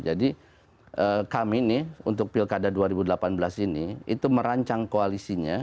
jadi kami nih untuk pilkada dua ribu delapan belas ini itu merancang koalisinya